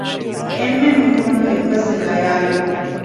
އެންމެން މިކަމަށް އެއްބަސް ވެ ގަޔާވި